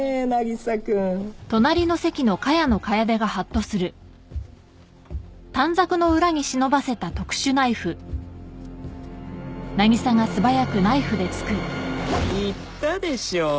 渚君言ったでしょう